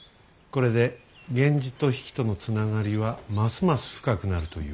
これで源氏と比企との繋がりはますます深くなるというもの。